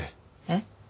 えっ？